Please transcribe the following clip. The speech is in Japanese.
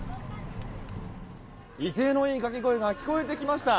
威勢のいい掛け声が聞こえてきました。